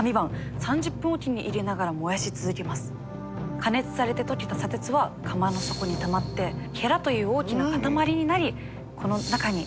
加熱されて溶けた砂鉄は釜の底にたまってという大きな塊になりこの中に玉鋼ができるんです。